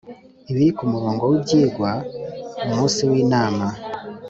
ibiri ku murongo w ibyigwa umunsi w Inama